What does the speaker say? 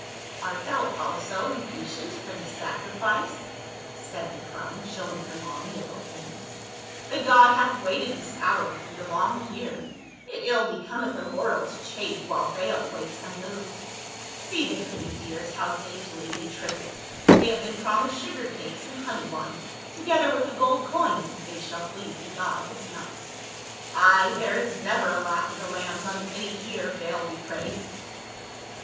"Art thou also impatient for the sacrifice?" said the crone, showing her long yellow fangs; "the god hath waited this hour through the long year ; it ill be cometh a mortal to chafe while Baal waits unmoved. See the pretty dears how daintily they trip it, they have been promised sugar cakes and honey wine, to gether with a gold coin, if they shall please the god this night. Ay ! there is never a lack of the lambs on any year, Baal be praised